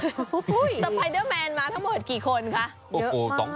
แล้วไฟเดอร์แมนมาทั้งหมดกี่คนคะ